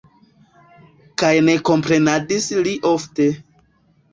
Kaj ne komprenadis li ofte.